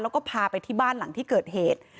แล้วก็พาไปที่บ้านหลังที่เกิดเหตุ